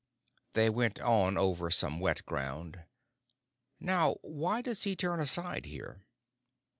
They went on over some wet ground. "Now why does he turn aside here?"